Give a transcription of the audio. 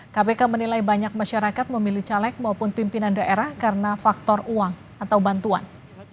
kpk menilai banyak masyarakat memilih caleg maupun pimpinan daerah karena faktor uang atau bantuan